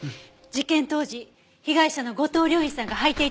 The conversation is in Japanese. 事件当時被害者の後藤了胤さんがはいていたジーンズよ。